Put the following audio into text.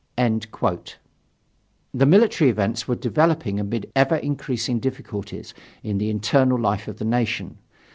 The military events were developing amid ever increasing difficulties in the internal life of the nation.